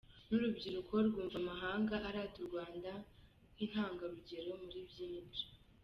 Ni urubyiruko rwumva amahanga arata u Rwanda nk’intangarugero muri byinshi.